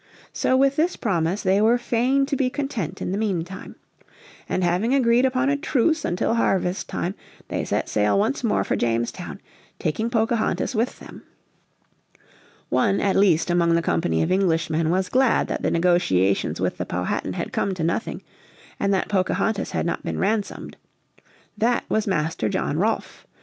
So with this promise they were fain to be content in the meantime. And having agreed upon a truce until harvest time they set sail once more for Jamestown, taking Pocahontas with them. One at least among the company of Englishmen was glad that the negotiations with the Powhatan had come to nothing, and that Pocahontas had not been ransomed. That was Master John Rolfe.